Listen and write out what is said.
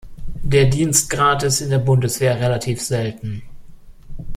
Der Dienstgrad ist in der Bundeswehr relativ selten.